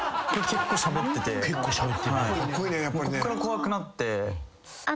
こっから怖くなって。